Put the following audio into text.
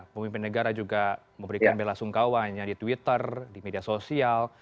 pemimpin negara juga memberikan bela sungkawanya di twitter di media sosial